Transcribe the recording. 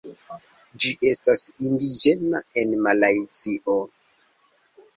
Ĝi estas indiĝena en Malajzio.